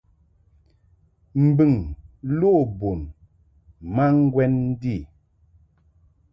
Mbɨŋ lo bun ma ŋgwɛn ndi.